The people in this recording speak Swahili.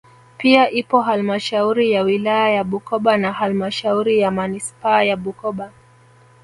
Pia ipo halmashauri ya wilaya ya Bukoba na halmashuri ya manispaa ya Bukoba